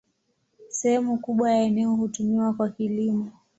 Sehemu kubwa ya eneo hutumiwa kwa kilimo.